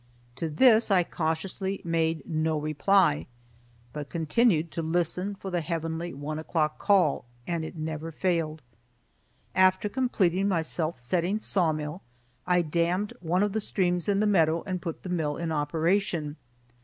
To this I cautiously made no reply, but continued to listen for the heavenly one o'clock call, and it never failed. After completing my self setting sawmill I dammed one of the streams in the meadow and put the mill in operation.